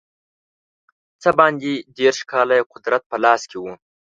څه باندې دېرش کاله یې قدرت په لاس کې وو.